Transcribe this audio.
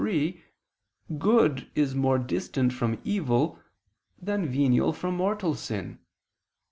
3), good is more distant from evil, than venial from mortal sin.